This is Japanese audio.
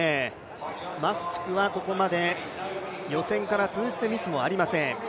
マフチクはここまで予選から通じてミスはありません。